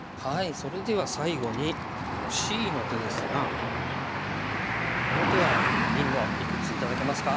それでは最後にこのＣの手ですがこの手はりんごいくつ頂けますか？